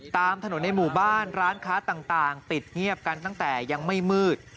ตามถนนในหมู่บ้านร้านค้าต่างปิดเงียบกันตั้งแต่ยังไม่มืด